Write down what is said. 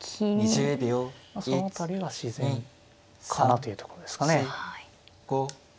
その辺りが自然かなというところですかね。